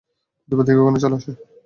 প্রতিবার দেখি ওখানে চলে আসে।